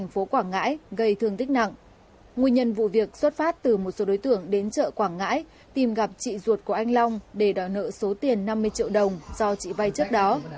nguyên nhân vụ việc xuất phát từ một số đối tượng đến chợ quảng ngãi tìm gặp chị ruột của anh long để đòi nợ số tiền năm mươi triệu đồng do chị vay trước đó